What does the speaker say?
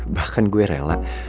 bahkan gue rela